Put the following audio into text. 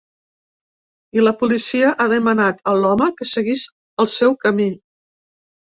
I la policia ha demanat a l’home que seguís el seu camí.